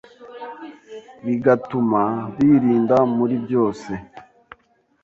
bigatuma birinda muri byose